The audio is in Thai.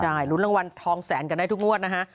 ใช่ลุ้นรางวัลทองแสนกันได้ทุกงวดนะฮะ